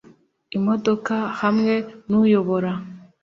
imodoka hamwe nuyobora